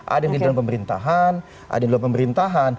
ada yang di dalam pemerintahan